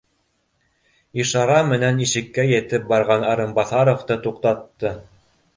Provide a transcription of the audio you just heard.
Ишара менән ишеккә етеп барған Арынбаҫаровты туҡтатты: